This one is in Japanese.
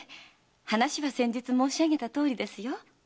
話は先日申し上げたとおりですよ。